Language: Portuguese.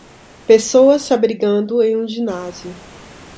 Pessoas se abrigando em um ginásio